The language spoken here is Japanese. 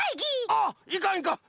あっいかんいかん！